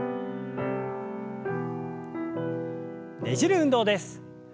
ねじる運動です。